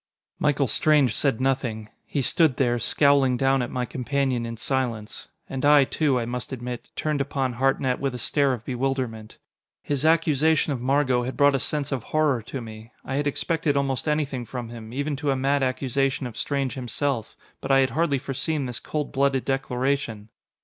Michael Strange said nothing. He stood there, scowling down at my companion in silence. And I, too, I must admit, turned upon Hartnett with a stare of bewilderment. His accusation of Margot had brought a sense of horror to me. I had expected almost anything from him, even to a mad accusation of Strange himself. But I had hardly foreseen this cold blooded declaration.